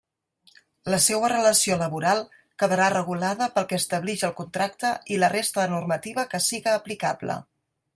La seua relació laboral quedarà regulada pel que establix el contracte i la resta de normativa que siga aplicable.